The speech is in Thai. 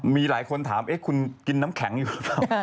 มีหลายคนถามคุณกินน้ำแข็งอยู่หรือเปล่า